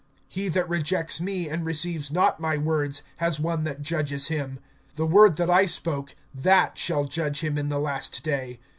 (48)He that rejects me, and receives not my words, has one that judges him. The word that I spokes that shall judge him in the last day.